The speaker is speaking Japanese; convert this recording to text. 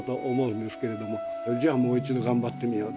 じゃあもう一度頑張ってみようと。